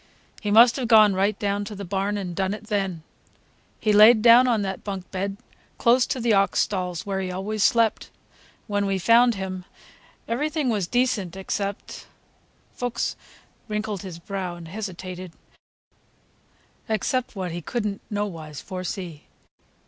He must have gone right down to the barn and done it then. He layed down on that bunk bed, close to the ox stalls, where he always slept. When we found him, everything was decent except,"—Fuchs wrinkled his brow and hesitated,—"except what he could n't nowise foresee.